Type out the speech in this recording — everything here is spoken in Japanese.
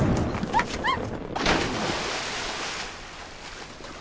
あっあっ。